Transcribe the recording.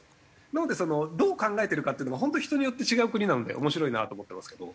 なのでどう考えてるかというのが本当に人によって違う国なので面白いなと思ってますけど。